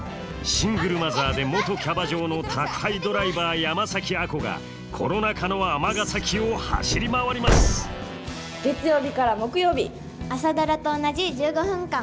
シングルマザーで元キャバ嬢の宅配ドライバー山崎亜子がコロナ禍の尼崎を走り回ります「朝ドラ」と同じ１５分間。